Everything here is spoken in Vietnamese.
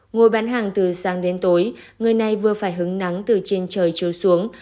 ngồi bán hàng từ sáng đến tối người này vừa phải hứng nắng từ trên trời chiếu xuống